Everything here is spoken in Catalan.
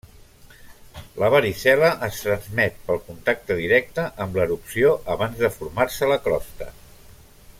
La varicel·la es transmet pel contacte directe amb l'erupció abans de formar-se la crosta.